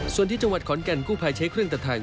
ส่วนที่จังหวัดขอนแก่นกู้ภัยใช้เครื่องตัดทาง